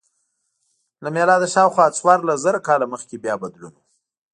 له میلاده شاوخوا څوارلس زره کاله مخکې بیا بدلون و